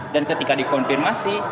dan ketika dikonfirmasi